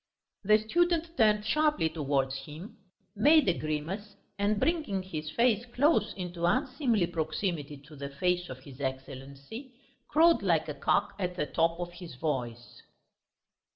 The student turned sharply towards him, made a grimace, and bringing his face close into unseemly proximity to the face of his Excellency, crowed like a cock at the top of his voice.